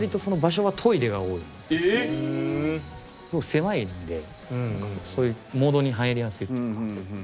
狭いんでそういうモードに入りやすいというか。